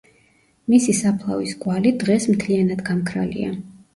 მისი საფლავის კვალი დღეს მთლიანად გამქრალია.